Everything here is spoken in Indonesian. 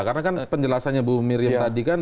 karena kan penjelasannya bu miriam tadi kan